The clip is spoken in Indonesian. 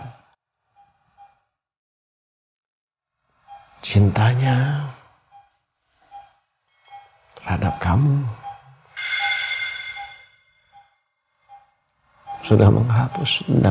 jadi kita tidak bisa menghargai bapak yang sudah mencari kita